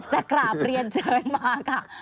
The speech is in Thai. จะกราบเรียนเชิญมาค่ะ